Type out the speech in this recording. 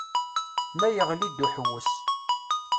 Ma yeɣli-d uḥewwes.